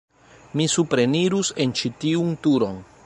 Mi suprenirus en ĉi tiun turon.